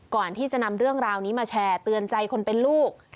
ก่อนที่จะนำเรื่องราวนี้มาแชร์เตือนใจคนเป็นลูก